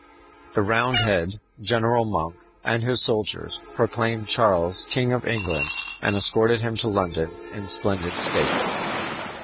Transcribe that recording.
The Roundhead, General Monk, and his soldiers proclaimed Charles King of England and escorted him to London in splendid state.